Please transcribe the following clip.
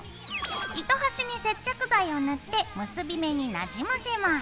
糸端に接着剤を塗って結び目になじませます。